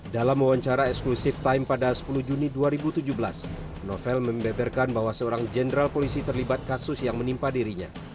dalam wawancara eksklusif time pada sepuluh juni dua ribu tujuh belas novel membeberkan bahwa seorang jenderal polisi terlibat kasus yang menimpa dirinya